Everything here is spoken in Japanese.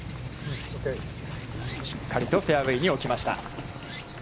しっかりとフェアウェイに置きました。